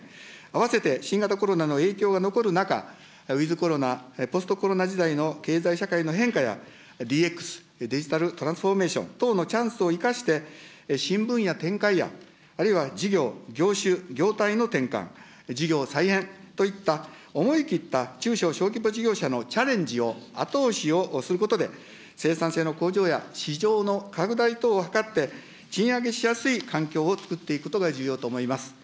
併せて新型コロナの影響が残る中、ウィズコロナ、ポストコロナ時代の経済社会の変化や、ＤＸ・デジタルトランスフォーメーションのチャンスを生かして、新分野展開や、あるいは事業、業種、業態の転換、事業再編といった思い切った中小・小規模事業者のチャレンジを後押しをすることで、生産性の向上や市場の拡大等を図って、賃上げしやすい環境を作っていくことが重要と思います。